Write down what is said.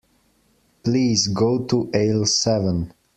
Please go to aisle seven.